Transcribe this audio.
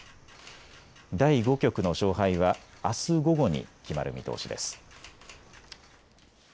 第５局の勝敗はあす午後に決まる見通しです。